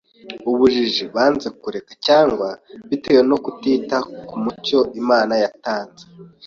’ubujiji banze kureka, cyangwa bitewe no kutita ku mucyo Imana yatanze